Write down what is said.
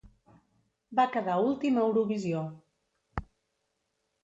Va quedar últim a Eurovisió.